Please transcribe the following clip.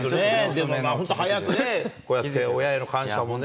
でも、まあ本当早くね、こうやって親への感謝もね